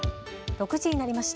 ６時になりました。